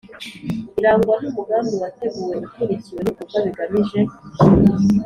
Irangwa n umugambi wateguwe ukurikiwe n ibikorwa bigamije